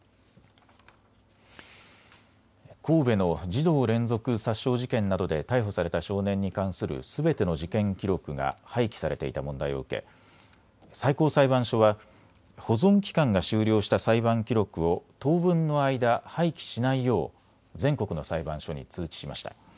神戸の児童連続殺傷事件などで逮捕された少年に関するすべての事件記録が廃棄されていた問題を受け最高裁判所は保存期間が終了した裁判記録を当分の間、廃棄しないよう全国の裁判所に通知しました。